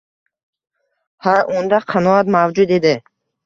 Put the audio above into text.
Ha, unda qanoat mavjud edi.